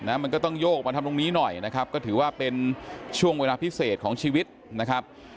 มันก็ต้องโยกมาทำตรงนี้หน่อยนะครับก็ถือว่าเป็นช่วงเวลาพิเศษของชีวิตนะครับ